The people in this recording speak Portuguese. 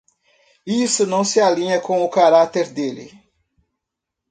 Isso não se alinha com o cárater dele.